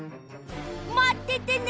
まっててね。